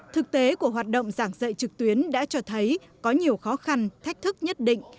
thực tế của hoạt động giảng dạy trực tuyến đã cho thấy có nhiều khó khăn thách thức nhất định